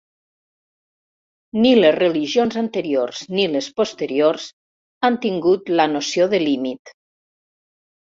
Ni les religions anteriors ni les posteriors han tingut la noció de límit.